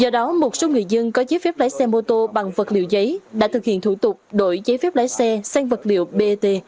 dân có giấy phép lái xe mô tô bằng vật liệu giấy đã thực hiện thủ tục đổi giấy phép lái xe sang vật liệu bat